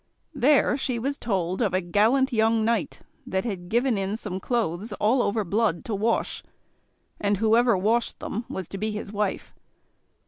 There she was told of a gallant young knight that had given in some clothes all over blood to wash, and whoever washed them was to be his wife.